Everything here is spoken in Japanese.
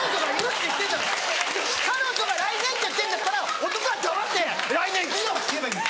彼女が「来年」って言ってるんだったら男は黙って「来年行くぞ」って言えばいい。